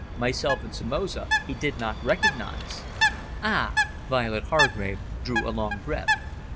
Myself and Somoza he did not recognise." "Ah!" Violet Hargrave drew a long breath.